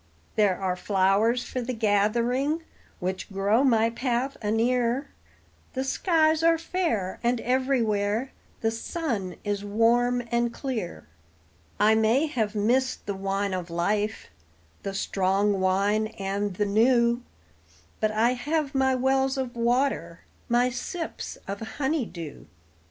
There are flowers for the gathering, which grow my path anear, The skies are fair, and everywhere the sun is warm and clear: I may have missed the wine of life, the strong wine and the new, But I have my wells of water, my sips of honey dew.